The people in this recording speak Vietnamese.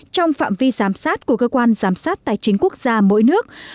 trong phạm vi giám sát của cơ quan giám sát tài chính quốc gia mỗi nước